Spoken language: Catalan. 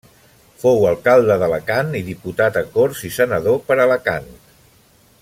Fou alcalde d'Alacant i diputat a Corts i Senador per Alacant.